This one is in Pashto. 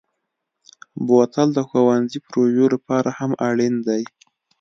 بوتل د ښوونځي پروژو لپاره هم اړین دی.